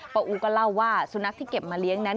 อูก็เล่าว่าสุนัขที่เก็บมาเลี้ยงนั้น